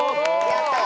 やったー。